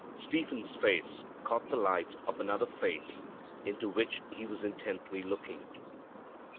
Stephen's face caught the light of another Face into which he was intently looking.